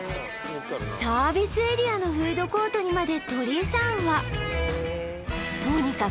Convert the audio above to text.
サービスエリアのフードコートにまで鶏三和